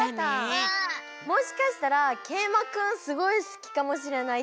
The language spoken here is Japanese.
もしかしたらけいまくんすごいすきかもしれないでんしゃがあって。